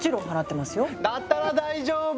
だったら大丈夫！